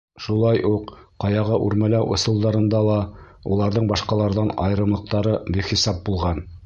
Шулай уҡ ҡаяға үрмәләү ысулдарында ла уларҙың башҡаларҙан айырымлыҡтары бихисап булған.